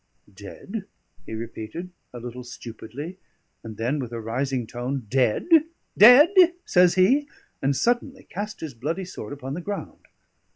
"Dead?" he repeated, a little stupidly; and then, with a rising tone, "Dead? dead?" says he, and suddenly cast his bloody sword upon the ground.